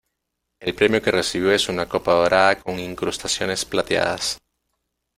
El premio que recibió es una copa dorada con incrustaciones plateadas.